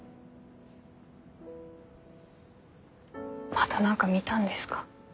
また何か見たんですか？